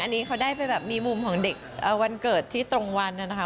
อันนี้เขาได้ไปแบบมีมุมของเด็กวันเกิดที่ตรงวันนะคะ